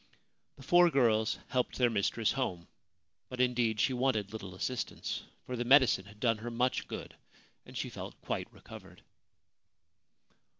The four girls helped their mistress home ; but in deed she wanted little assistance, for the medicine had 22 Ghost of the Violet Well done her much good, and she felt quite recovered.